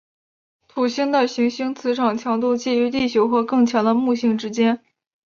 土星的行星磁场强度介于地球和更强的木星之间。